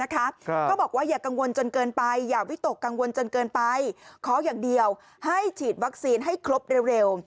ขออย่างเดียวให้ฉีดวัคซินให้ครบเร็ว